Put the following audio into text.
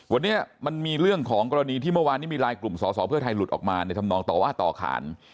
วันนี้มันมีเรื่องของกรณีที่เมื่อวานนี้มีลายกลุ่มสอสอเพื่อไทยหลุดออกมาในธรรมนองต่อว่าต่อขาน